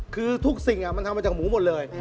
คือทุกสิ่งมันทำมาจากหมูหมดเลย